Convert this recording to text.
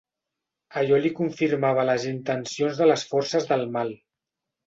Allò li confirmava les intencions de les forces del mal.